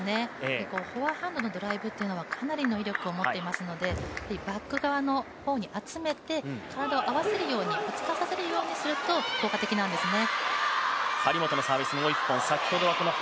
フォアハンドのドライブというのはかなりの威力を持っていますので、バック側の方に集めて体を合わせるようにすると効果的なんですね。